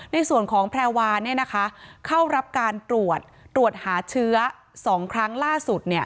ในส่วนของแพรวาเข้ารับการตรวจตรวจหาเชื้อ๒ครั้งล่าสุด